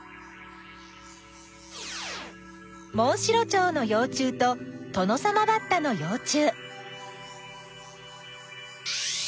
モンシロチョウのよう虫とトノサマバッタのよう虫。